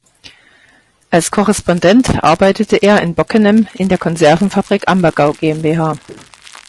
Als Korrespondent arbeitete er in Bockenem in der Konservenfabrik Ambergau GmbH.